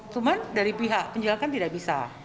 cuman dari pihak penjualan kan tidak bisa